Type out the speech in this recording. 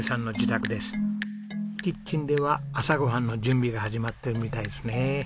キッチンでは朝ご飯の準備が始まっているみたいですね。